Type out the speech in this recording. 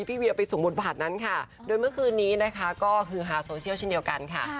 เพราะว่าแฟนขาวผู้ชื่อได้เลยเนาะ